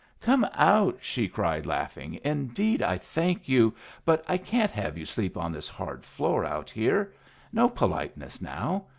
"Come out!" she cried, laughing. "Indeed, I thank you. But I can't have you sleep on this hard floor out here. No politeness, now!